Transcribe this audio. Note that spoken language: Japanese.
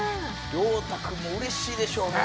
遼太君もうれしいでしょうね